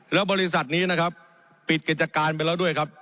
แล้วบริษัทนี้นะครับปิดกิจการไปแล้วด้วยครับ